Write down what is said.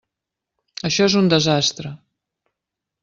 Això és un desastre.